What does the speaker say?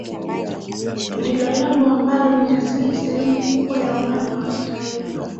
Ndilo lambo ambalo ni asili ya sehemu kubwa ya umeme wa taifa.